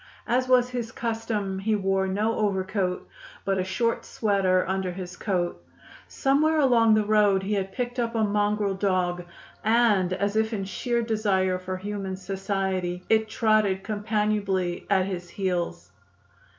As was his custom, he wore no overcoat, but a short sweater under his coat. Somewhere along the road he had picked up a mongrel dog, and, as if in sheer desire for human society, it trotted companionably at his heels.